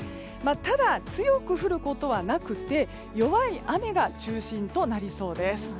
ただ、強く降ることはなくて弱い雨が中心となりそうです。